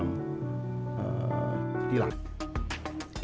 menyuasakan pelaksanaan program etilac